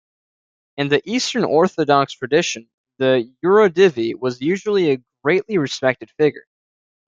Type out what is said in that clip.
In the Eastern Orthodox tradition the "yurodivy" was usually a greatly respected figure.